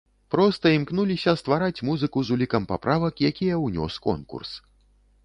Проста імкнуліся ствараць музыку з улікам паправак, якія ўнёс конкурс.